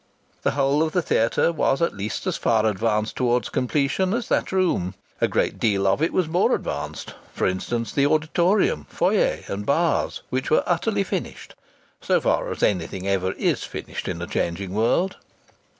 The whole of the theatre was at least as far advanced towards completion as that room. A great deal of it was more advanced; for instance, the auditorium, foyer, and bars, which were utterly finished, so far as anything ever is finished in a changing world.